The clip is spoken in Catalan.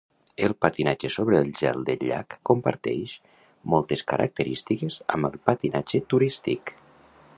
El patinatge sobre el gel del llac comparteix moltes característiques amb el patinatge turístic.